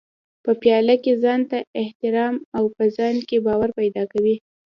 په پايله کې ځانته احترام او په ځان باور پيدا کوي.